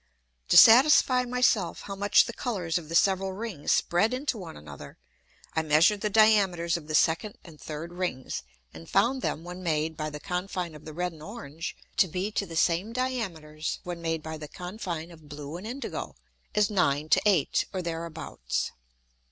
To satisfy my self how much the Colours of the several Rings spread into one another, I measured the Diameters of the second and third Rings, and found them when made by the Confine of the red and orange to be to the same Diameters when made by the Confine of blue and indigo, as 9 to 8, or thereabouts.